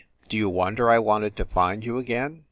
"Do you wonder I wanted to find you again?"